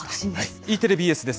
Ｅテレ、ＢＳです。